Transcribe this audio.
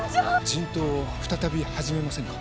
人痘を再び始めませぬか？